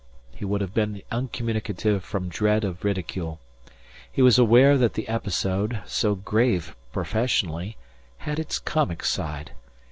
He would have been uncommunicative from dread of ridicule. He was aware that the episode, so grave professionally, had its comic side.